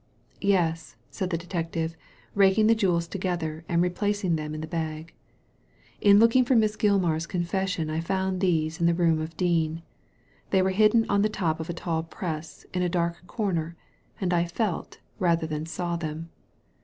" Yes !" said the detective, raking the jewels to gether and replacing them in the bag. ''In looking for Miss Gilmar's confession I found these in the room of Dean. They were hidden on the top of a tall press in a dark comer, and I felt, rather than saw them.